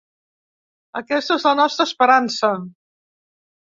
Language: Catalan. Aquesta és la nostra esperança.